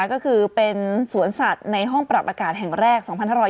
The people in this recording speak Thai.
ก็คือเป็นสวนสัตว์ในห้องปรับอากาศแห่งแรก๒๕๖๐